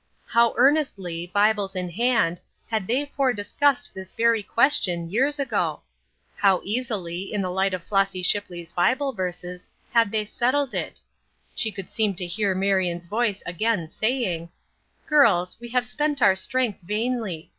How earnestly, Bibles in hand, had they four discussed this very ques tion years ago ? How easily, in the light of Flossy Shipley's Bible verses, they had settled it ! She could seem to hear Marion's voice again saying : "Girls, we have spent our strength vainly.